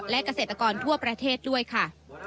และเกษตรกรทั่วประเทศด้วยค่ะ